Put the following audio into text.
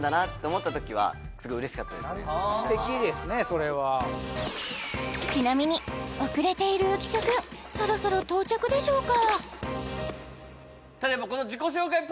それはちなみに遅れている浮所くんそろそろ到着でしょうか